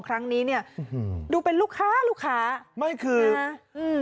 ครั้งนี้เนี้ยอืมดูเป็นลูกค้าลูกค้าไม่คือฮะอืม